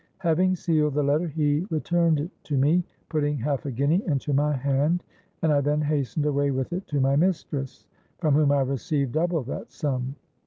Having sealed the letter, he returned it to me, putting half a guinea into my hand; and I then hastened away with it to my mistress, from whom I received double that sum.